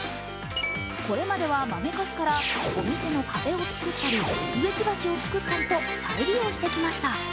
これまでは豆かすからお店の壁を作ったり、植木鉢を作ったりと再利用してきました。